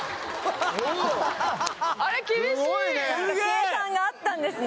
計算があったんですね